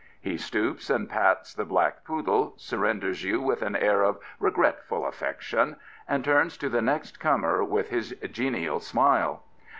He stoops and pats the black pooJiJle, surrenders you with an air of regretful affection, and turns to the next comer with his genial smile.